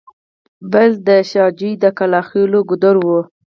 بل د شاه جوی د کلاخېلو ګودر و.